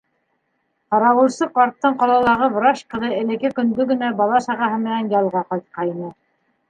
Ҡарауылсы ҡарттың ҡалалағы врач ҡыҙы элекке көндө генә бала-сағаһы менән ялға ҡайтҡайны.